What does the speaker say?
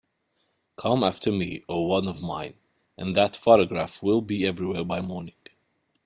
Come after me or one of mine, and that photograph will be everywhere by morning.